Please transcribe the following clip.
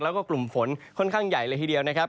แล้วก็กลุ่มฝนค่อนข้างใหญ่เลยทีเดียวนะครับ